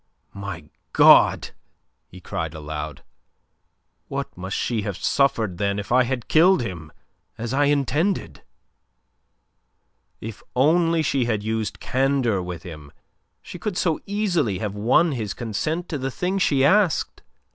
"My God!" he cried aloud. "What must she have suffered, then, if I had killed him as I intended!" If only she had used candour with him, she could so easily have won his consent to the thing she asked.